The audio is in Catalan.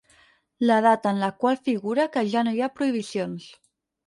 L'edat en la qual figura que ja no hi ha prohibicions.